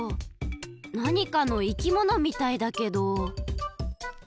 なにかのいきものみたいだけど。